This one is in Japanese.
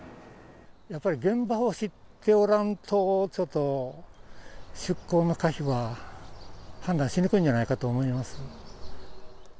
やっぱり現場を知っておらんと、ちょっと出航の可否は判断しにくいんじゃないかと思います。